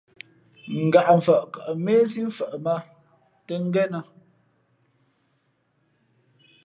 Ghǎʼmfαʼ kαʼ méhsí mfαʼ mᾱᾱ tᾱ ngénᾱ.